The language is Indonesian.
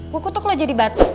gue kutuk lo jadi batu